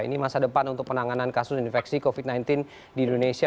ini masa depan untuk penanganan kasus infeksi covid sembilan belas di indonesia